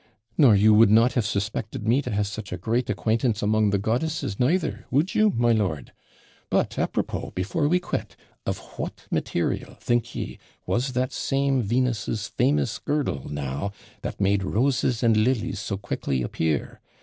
'Nor you would not have suspected me to have such a great acquaintance among the goddesses neither, would you, my lord? But, apropos, before we quit, of what material, think ye, was that same Venus's famous girdle, now, that made roses and lilies so quickly appear?